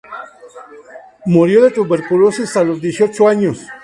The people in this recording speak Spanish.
Murió de tuberculosis a los dieciocho años.